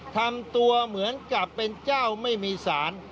ทำตัวเหมือนกับเป็นเจ้าไม่มีสาร